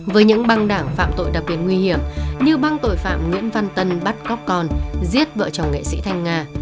với những băng đảng phạm tội đặc biệt nguy hiểm như băng tội phạm nguyễn văn tân bắt cóc con giết vợ chồng nghệ sĩ thanh nga